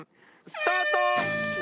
スタート！